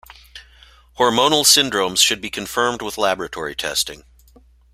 Hormonal syndromes should be confirmed with laboratory testing.